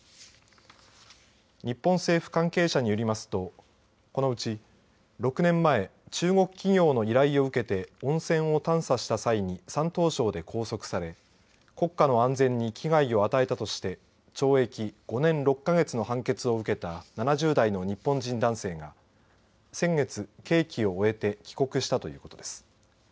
日本政府関係者によりますとこのうち、６年前中国企業の依頼を受けて温泉を探査した際に山東省で拘束され国家の安全に危害を与えたとして懲役５年６か月の判決を受けた７０代の日本人男性が先月、刑期を終えて帰国したということです。